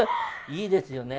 いいですよね。